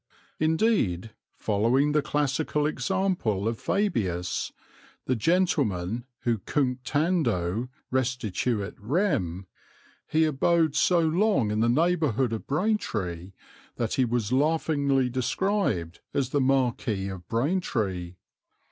Indeed, following the classical example of Fabius, the gentleman who cunctando restituit rem, he abode so long in the neighbourhood of Braintree that he was laughingly described as the Marquis of Braintree.